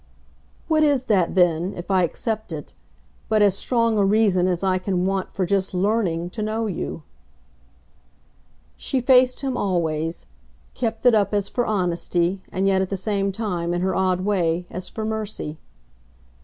"What is that then if I accept it but as strong a reason as I can want for just LEARNING to know you?" She faced him always kept it up as for honesty, and yet at the same time, in her odd way, as for mercy.